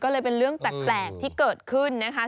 ก็เลยเป็นเรื่องแปลกที่เกิดขึ้นนะคะ